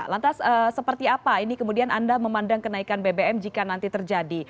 lantas seperti apa ini kemudian anda memandang kenaikan bbm jika nanti terjadi